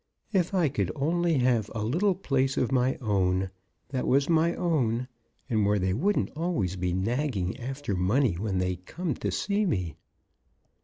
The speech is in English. If I could only have a little place of my own, that was my own; and where they wouldn't always be nagging after money when they come to see me."